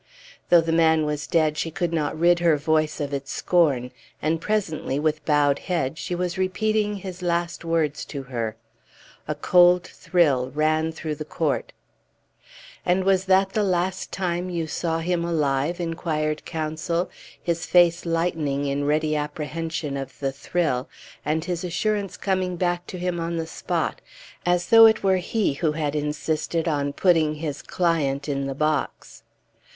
Though the man was dead, she could not rid her voice of its scorn; and presently, with bowed head, she was repeating his last words to her. A cold thrill ran through the court. "And was that the last time you saw him alive?" inquired counsel, his face lightening in ready apprehension of the thrill, and his assurance coming back to him on the spot, as though it were he who had insisted on putting his client in the box.